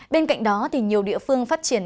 bên cạnh đó nhiều địa phương phát triển